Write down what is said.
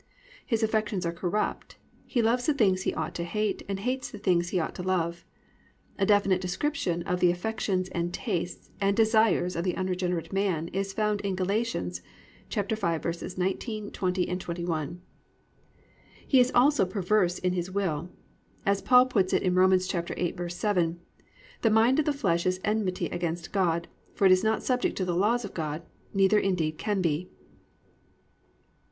His affections are corrupt, he loves the things he ought to hate and hates the things he ought to love. A definite description of the affections and tastes and desires of the unregenerate man is found in Gal. 5:19, 20, 21. He is also perverse in his will, as Paul puts it in Rom. 8:7, +"The mind of the flesh is enmity against God; for it is not subject to the law of God, neither indeed can be."